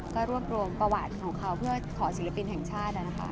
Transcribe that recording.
ก็รวบรวมประวัติของเขาเพื่อขอศิลปินแห่งชาตินะคะ